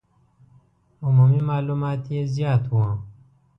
عمومي معلومات یې زیات وو.